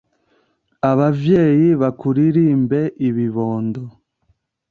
abavyeyi bakuririmbe, ibibondo